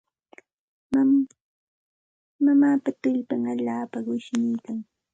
Mamaapa tullpan allaapa qushniikan.